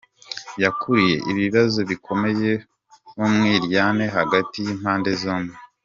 Yakuruye ibibazo bikomeye n’umwiryane hagati y’impande zombi.